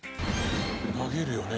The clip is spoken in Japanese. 投げるよね？